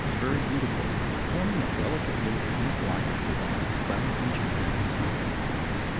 69) is very beautiful, forming a delicate little plantlike form about an inch and a half in size.